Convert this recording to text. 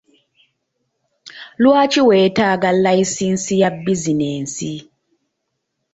Lwaki weetaaga layisinsi ya bizinensi?